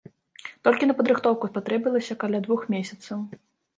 Толькі на падрыхтоўку спатрэбілася каля двух месяцаў.